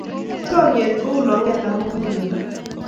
Chomnyet kou lolong'yetab muguleldo.